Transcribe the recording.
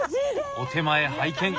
お手前拝見。